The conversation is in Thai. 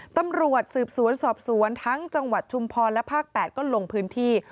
ตำรวจสืบสวนสอบสวนทั้งจังหวัดชุมพรและภาค๘ก็ลงพื้นที่